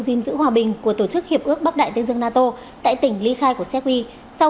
gìn giữ hòa bình của tổ chức hiệp ước bắc đại tây dương nato tại tỉnh ly khai của sergei sau